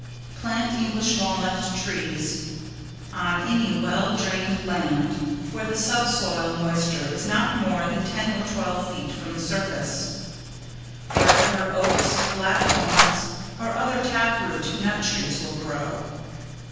PLANT ENGLISH WALNUT TREES: On any well drained land where the sub soil moisture is not more than ten or twelve feet from the surface. Wherever Oaks, Black Walnuts or other tap root nut trees will grow.